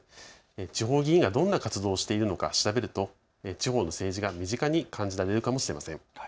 地方議員がどんな活動をしているのか調べると地方政治が身近に感じられるかもしれません。